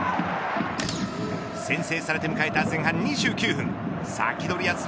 先制されて迎えた前半２９分サキドリ！